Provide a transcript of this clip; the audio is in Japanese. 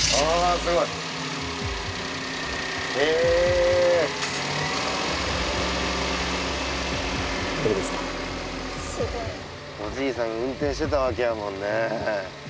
すごい。おじいさん運転してたわけやもんね。